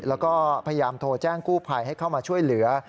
แล้วก็พยายามโทรแจ้งกู้ภัยให้เข้ามาช่วยเหลือ